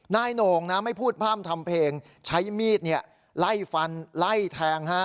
โหน่งนะไม่พูดพร่ำทำเพลงใช้มีดไล่ฟันไล่แทง